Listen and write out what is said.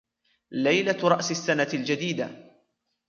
ليلة رأس السنة الجديدة.